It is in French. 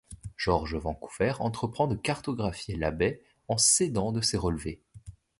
George Vancouver entreprend de cartographier la baie en s'aidant de ces relevés.